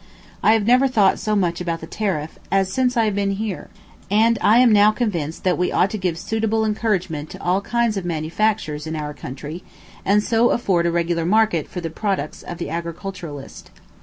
I have never thought so much about the tariff as since I have been here, and I am now convinced that we ought to give suitable encouragement to all kinds of manufactures in our country, and so afford a regular market for the products of the agriculturist.